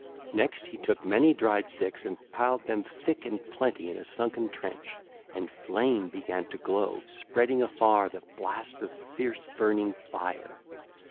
Next he took many dried sticks and piled them thick and plenty in a sunken trench: and flame began to glow, spreading afar the blast of fierce burning fire.